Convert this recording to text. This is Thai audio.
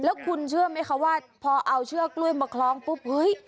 แล้วคุณเชื่อไหมคะว่าพอเอาเชือกกล้วยมาคล้องปุ๊บเฮ้ย